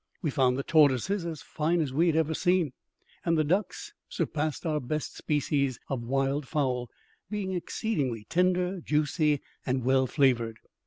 We found the tortoises as fine as we had ever seen, and the ducks surpassed our best species of wild fowl, being exceedingly tender, juicy, and well flavoured.